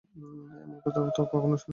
এমন কথাও তো কখনো শুনি নাই।